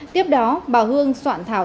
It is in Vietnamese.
tiếp đó bà hương soạn thảo